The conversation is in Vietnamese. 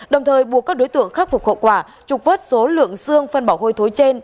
đồng thời buộc các đối tượng khắc phục hậu quả trục vớt số lượng xương phân bỏ hôi thối trên